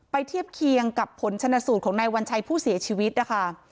เทียบเคียงกับผลชนสูตรของนายวัญชัยผู้เสียชีวิตนะคะ